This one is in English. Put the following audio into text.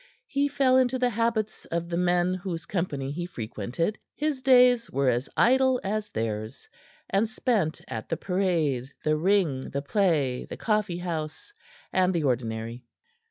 He fell into the habits of the men whose company he frequented; his days were as idle as theirs, and spent at the parade, the Ring, the play, the coffeehouse and the ordinary.